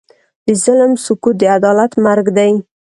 د ظلم سکوت، د عدالت مرګ دی.